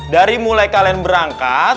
dari mulai kalian berangkat